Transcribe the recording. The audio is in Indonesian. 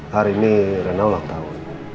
hari ini rena ulang tahun